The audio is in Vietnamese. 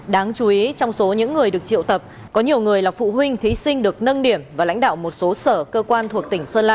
đáng chú ý trong số những người được triệu tập có nhiều người là phụ huynh thí sinh được nâng điểm và lãnh đạo một số sở cơ quan thuộc tỉnh sơn la